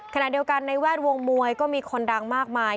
ขณะเดียวกันในแวดวงมวยก็มีคนดังมากมาย